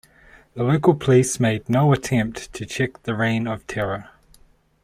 The local police made no attempt to check the reign of terror.